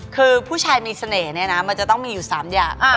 คือผู้ชายมีเสน่ห์เนี่ยนะมันจะต้องมีอยู่๓อย่าง